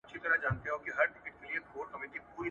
ته باید له سود څخه ځان وساتې.